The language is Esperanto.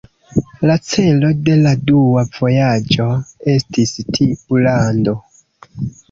La celo de la dua vojaĝo estis tiu lando.